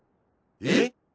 えっ。